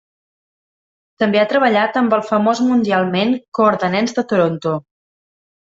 També ha treballat amb el famós mundialment Cor de Nens de Toronto.